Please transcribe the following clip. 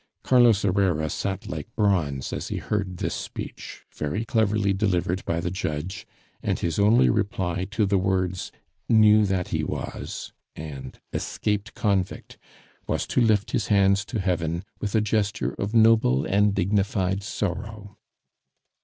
Carlos Herrera sat like bronze as he heard this speech, very cleverly delivered by the judge, and his only reply to the words "knew that he was" and "escaped convict" was to lift his hands to heaven with a gesture of noble and dignified sorrow.